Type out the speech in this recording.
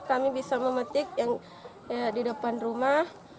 kami bisa memetik yang di depan rumah